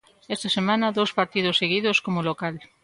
Esta semana dous partidos seguidos como local.